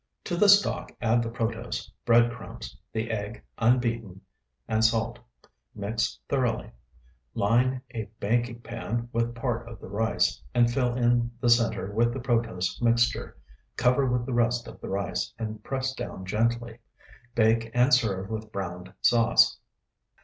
To the stock add the protose, bread crumbs, the egg unbeaten, and salt. Mix thoroughly. Line a baking pan with part of the rice, and fill in the center with the protose mixture; cover with the rest of the rice, and press down gently. Bake, and serve with browned sauce.